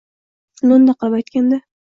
Lo‘nda qilib aytganda